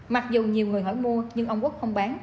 mặc dù nhiều người hỏi mua nhưng ông quốc không bán